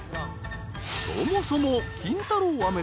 ［そもそも］